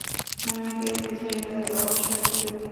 আমাকে বুঝাইবার অবসর দিও।